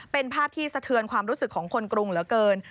เป็นภาพที่สะเทือนความรู้สึกของคนกรุงเหลือเกิน